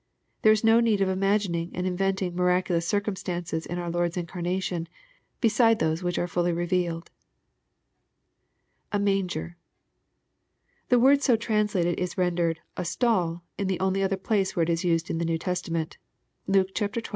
There is no need of imagining and inventing miraculous circum stances in our Lord's incarnation, beside those which are fully revealed. [A rruinger.] The word so translated is rendered, "a stall," in the only other place where it is used in the New Testament Luke xii. 15.